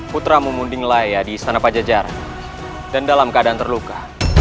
putramu munding laya di istana pajajara dan dalam keadaan terluka